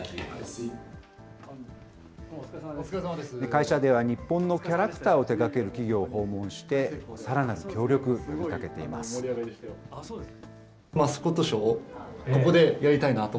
会社では、日本のキャラクターを手がける企業を訪問して、さらなる協力、呼びかけています。